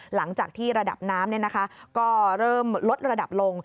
หลังจากที่ระดับน้ำก็เริ่มลดระดับลง